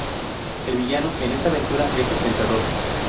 El villano en esta aventura es El Pensador.